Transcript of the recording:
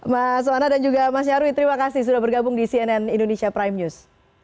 mas wana dan juga mas nyarwi terima kasih sudah bergabung di cnn indonesia prime news